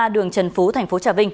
đường trần phú tp hcm